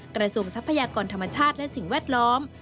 ทรัพยากรธรรมชาติและสิ่งแวดล้อม